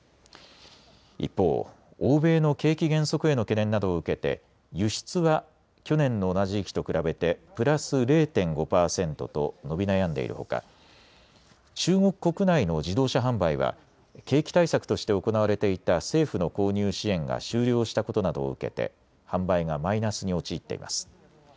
一方、欧米の景気減速への懸念などを受けて輸出は去年の同じ時期と比べてプラス０．５％と伸び悩んでいるほか中国国内の自動車販売は景気対策として行われていた政府の購入支援が終了したことなどを受けて販売がマイナスに陥っています。